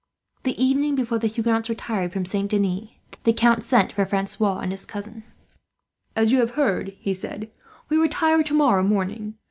The evening before the Huguenots retired from Saint Denis, the Count sent for Francois and his cousin. "As you will have heard," he said, "we retire tomorrow morning.